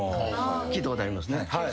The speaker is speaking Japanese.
聞いたことありますね。